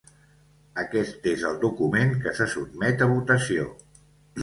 Aquest és el document que se sotmet a votació.